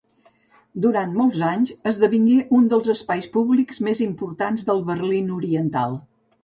Durant molts anys esdevingué un dels espais públics més importants del Berlín Oriental.